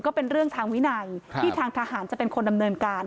ก็เป็นเรื่องทางวินัยที่ทางทหารจะเป็นคนดำเนินการ